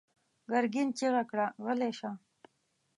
ګرګين چيغه کړه: غلی شه!